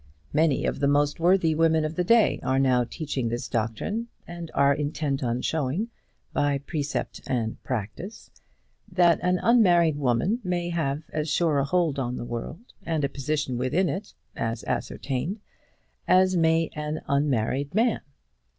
Many of the most worthy women of the day are now teaching this doctrine, and are intent on showing by precept and practice that an unmarried woman may have as sure a hold on the world, and a position within it as ascertained, as may an unmarried man.